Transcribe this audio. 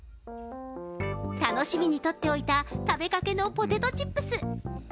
楽しみに取って置いた食べかけのポテトチップス。